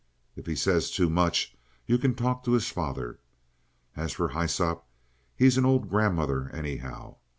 If he says too much you can talk to his father. As for Hyssop, he's an old grandmother anyhow.